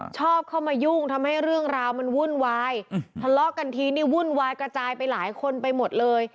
ชอบเข้ามายุ่งทำให้เรื่องราวมันวุ่นวายทะเลาะกันทีนี่วุ่นวายกระจายไปหลายคนไปหมดเลย